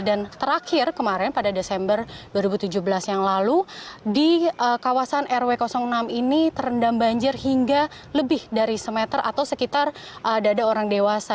dan terakhir kemarin pada desember dua ribu tujuh belas yang lalu di kawasan rw enam ini terendam banjir hingga lebih dari semeter atau sekitar dada orang dewasa